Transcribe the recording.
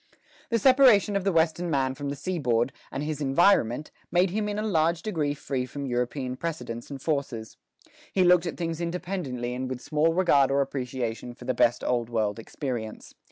The separation of the Western man from the seaboard, and his environment, made him in a large degree free from European precedents and forces. He looked at things independently and with small regard or appreciation for the best Old World experience.